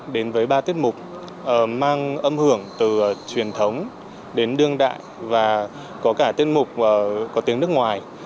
đến với ba tiết mục mang âm hưởng từ truyền thống đến đương đại và có cả tiết mục có tiếng nước ngoài